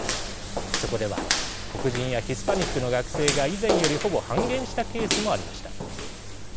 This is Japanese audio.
そこでは黒人やヒスパニックの学生が以前よりほぼ半減したケースもありました。